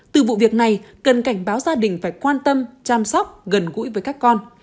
từ vụ việc này cần cảnh báo gia đình phải quan tâm chăm sóc gần gũi với các con